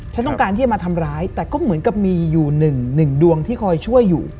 ฉันต้องการที่จะมาทำร้ายแต่ก็เหมือนกับมีอยู่หนึ่งดวงที่คอยช่วยอยู่